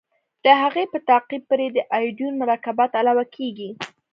د هغې په تعقیب پرې د ایوډین مرکبات علاوه کیږي.